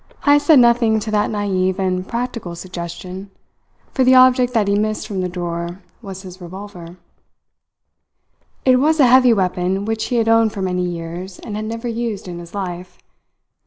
Heyst said nothing to that naive and practical suggestion, for the object that he missed from the drawer was his revolver. It was a heavy weapon which he had owned for many years and had never used in his life.